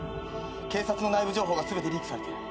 警察の内部情報が全てリークされてる。